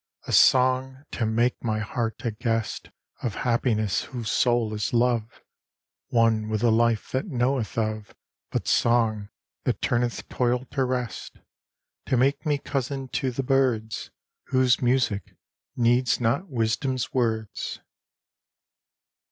_ _A song, to make my heart a guest Of happiness whose soul is love; One with the life that knoweth of But song that turneth toil to rest: To make me cousin to the birds, Whose music needs not wisdom's words.